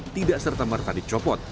tidak serta merata dicopot